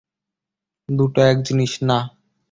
দুটো এক জিনিস না।